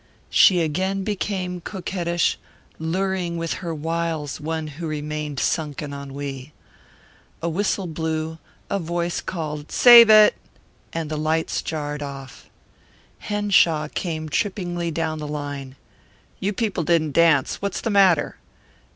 She again became coquettish, luring with her wiles one who remained sunk in ennui. A whistle blew, a voice called "Save it!" and the lights jarred off. Henshaw came trippingly down the line. "You people didn't dance. What's the matter?"